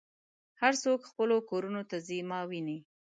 هر څوک خپلو کورونو ته ځي ما وینې.